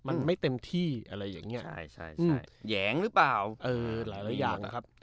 มันไม่เต็มที่อะไรอย่างเงี้อ่าใช่ใช่แหยงหรือเปล่าเออหลายอย่างนะครับ